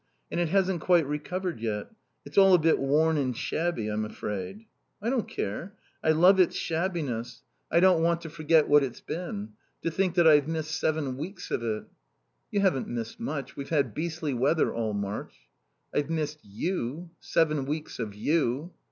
And it hasn't quite recovered yet. It's all a bit worn and shabby, I'm afraid." "I don't care. I love its shabbiness. I don't want to forget what it's been.... To think that I've missed seven weeks of it." "You haven't missed much. We've had beastly weather all March." "I've missed you. Seven weeks of you."